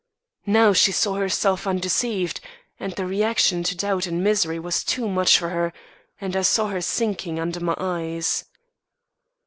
Now she saw herself undeceived, and the reaction into doubt and misery was too much for her, and I saw her sinking under my eyes.